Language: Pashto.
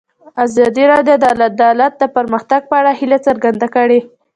ازادي راډیو د عدالت د پرمختګ په اړه هیله څرګنده کړې.